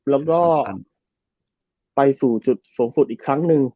แล้วก็ไปสู่จุดสูงสุดอีกครั้งหนึ่ง